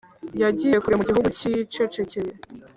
yagiye kure mu gihugu cyicecekeye;